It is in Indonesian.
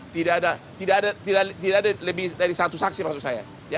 tidak ada lebih dari satu saksi maksud saya